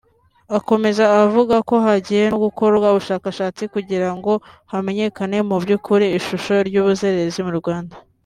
Akomeza avuga ko hagiye no gukorwa ubushakashatsi kugira ngo hamenyekane mu by’ukuri ishusho y’ubuzererezi mu Rwanda